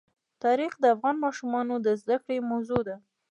تاریخ د افغان ماشومانو د زده کړې موضوع ده.